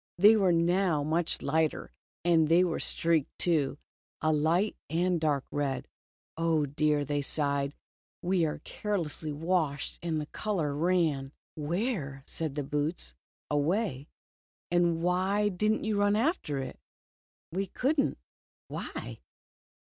They were now much lighter, and they were streaked too, a light and dark red. "Oh, dear," they sighed, "we were carelessly washed, and the color ran." "Where?" said the boots. "Away." " And why did n't you run after it ?" "We could n't." "Why?"